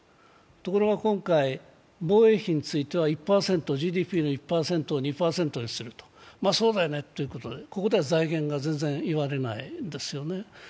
ところが今回、防衛費についてはＧＤＰの１％を２％にする、そうだよねということで、ここでは財源が全然言われないですよね。